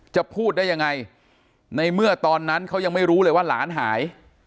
จะพูดได้ยังไงในเมื่อตอนนั้นเขายังไม่รู้เลยว่าหลานหาย